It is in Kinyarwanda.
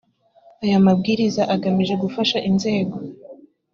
aya mabwiriza agamije gufasha inzego